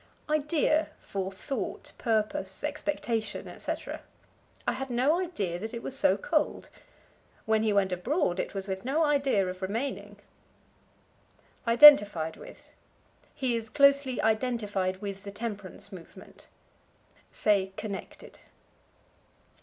Idea for Thought, Purpose, Expectation, etc. "I had no idea that it was so cold." "When he went abroad it was with no idea of remaining." Identified with. "He is closely identified with the temperance movement." Say, connected.